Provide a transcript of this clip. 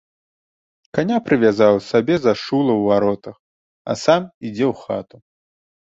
Каня прывязаў сабе за шула ў варотах, а сам ідзе ў хату.